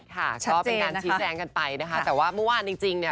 ค่ะก็เป็นการชี้แจงกันไปนะคะแต่ว่าเมื่อวานจริงเนี่ย